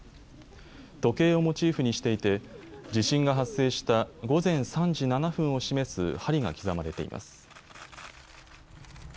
時計をモチーフにしていて地震が発生した午前３時７分を示す針が刻まれています。